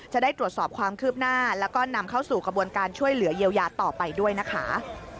จะได้ตรวจสอบความคืบหน้าแล้วก็นำเข้าสู่กระบวนการช่วยเหลือเยียวยาต่อไปด้วยนะคะ